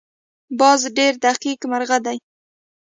باز ډېر دقیق مرغه دی